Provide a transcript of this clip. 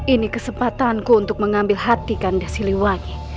ini kesempatanku untuk mengambil hati kanda siliwangi